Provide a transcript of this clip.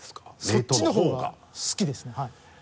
そっちの方が好きですね。